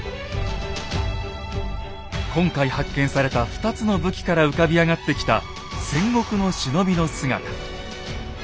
今回発見された２つの武器から浮かび上がってきた戦国の忍びの姿。